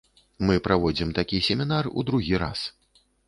Мы праводзім такі семінар у другі раз.